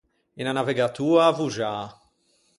Unna navegatoa avvoxâ.